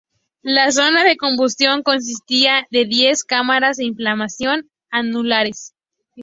La zona de combustión consistía de diez cámaras de inflamación anulares.